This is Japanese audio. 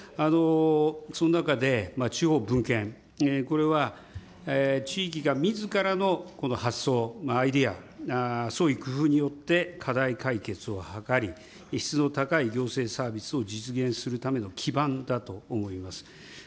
その中で、地方分権、これは地域がみずからのこの発想、アイデア、創意工夫によって課題解決を図り、質の高い行政サービスを実現するための基盤だと思います。